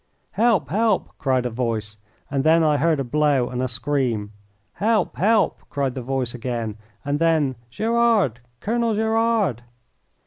"Help! Help!" cried a voice, and then I heard a blow and a scream. "Help! Help!" cried the voice again, and then "Gerard! Colonel Gerard!"